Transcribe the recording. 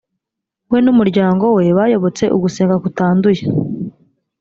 we n’umuryango we bayobotse ugusenga kutanduye